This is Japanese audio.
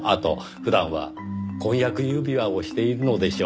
普段は婚約指輪をしているのでしょう。